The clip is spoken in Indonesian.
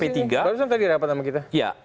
masih di sini barusan tadi dapat nama kita